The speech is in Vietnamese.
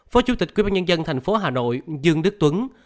phó chủ tịch quyên bán nhân dân thành phố hà nội dương đức tuấn